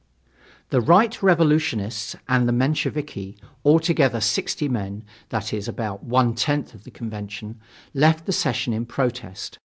The Right Revolutionists and the Mensheviki, altogether sixty men, that is, about one tenth of the convention, left the session in protest.